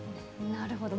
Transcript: なるほど。